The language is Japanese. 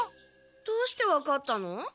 どうしてわかったの？